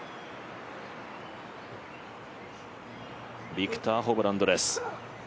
ビクター・ホブランドです。